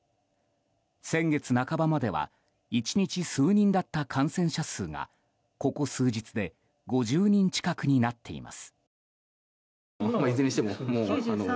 先月半ばまでは１日数人だった感染者数がここ数日で５０人近くになっています。